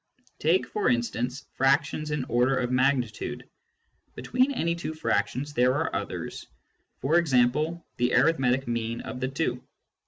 Take, for instance, fractions in order of magnitude. Between any two fractions there are others — for example, the arithmetic mean of the two.